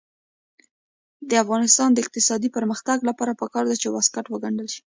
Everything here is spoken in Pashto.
د افغانستان د اقتصادي پرمختګ لپاره پکار ده چې واسکټ وګنډل شي.